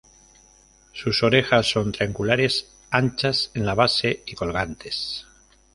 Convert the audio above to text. Sus orejas son triangulares, anchas en la base y colgantes.